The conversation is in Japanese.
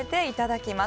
いただき！